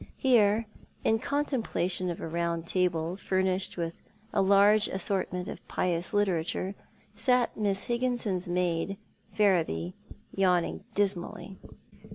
1 39 Here, in contemplation of a round table, furnished with a large assortment of pious literature, sat Miss Higginson's maid, Ferriby, yawning dismally.